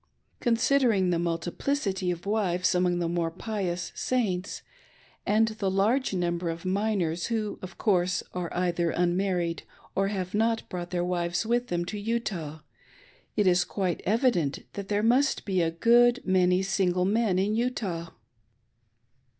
Considering the multiplicity of wives among the more pioiis Saints, aiid the large number of miners who, of course, are either unmarried or have not brought their wives with them to Utah, it is quitfe evident that there must be a good many single men in Utah.